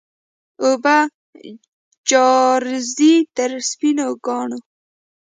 اوبه جاروزي تر سپینو کاڼو